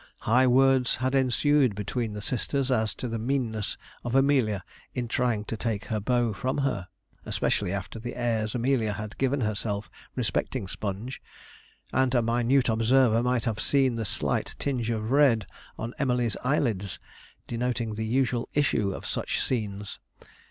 High words had ensued between the sisters as to the meanness of Amelia in trying to take her beau from her, especially after the airs Amelia had given herself respecting Sponge; and a minute observer might have seen the slight tinge of red on Emily's eyelids denoting the usual issue of such scenes.